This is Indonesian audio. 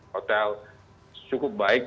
hotel cukup baik